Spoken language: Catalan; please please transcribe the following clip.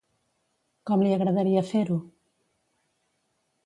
Com li agradaria fer-ho?